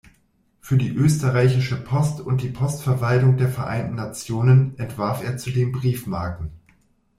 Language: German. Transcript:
Für die Österreichische Post und die Postverwaltung der Vereinten Nationen entwarf er zudem Briefmarken.